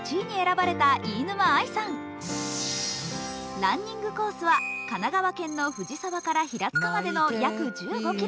ランニングコースは神奈川県の藤沢から平塚までの約１５ｋｍ。